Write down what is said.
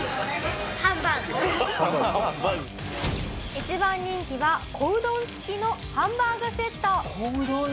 一番人気は小うどん付きハンバーグセット？